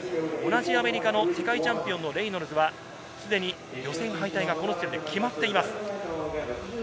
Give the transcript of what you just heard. アメリカの世界チャンピオン、レイノルズは、予選敗退が決まっています。